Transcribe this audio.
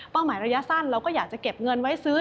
หมายระยะสั้นเราก็อยากจะเก็บเงินไว้ซื้อ